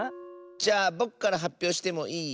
じゃあぼくからはっぴょうしてもいい？